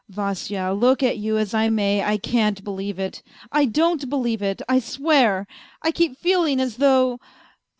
" Vasya, look at you as I may, I can't believe it. I don't believe it, I swear. I keep feeling as though.